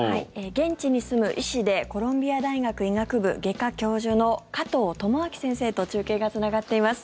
現地に住む医師でコロンビア大学医学部外科教授の加藤友朗先生と中継がつながっています。